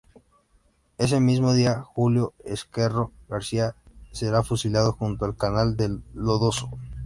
Ese mismo día, Julio Ezquerro García será fusilado junto al canal de Lodosa.